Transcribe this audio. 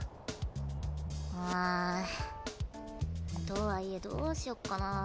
とはいえどうしよっかなぁ。